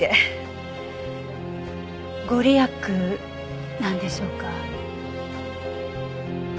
御利益なんでしょうか？